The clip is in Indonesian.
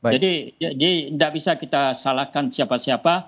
jadi tidak bisa kita salahkan siapa siapa